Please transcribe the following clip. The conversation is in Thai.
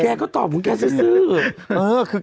และก็ตอบว่าแกซื่อ